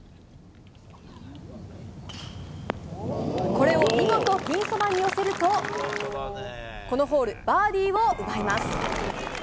これを見事、ピンそばに寄せると、このホール、バーディーを奪います。